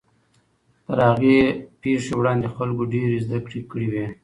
تر هغې پیښې وړاندې خلکو ډېرې زدهکړې کړې وې.